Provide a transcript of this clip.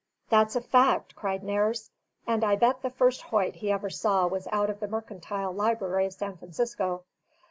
"That's a fact!" cried Nares; "and I bet the first Hoyt he ever saw was out of the mercantile library of San Francisco.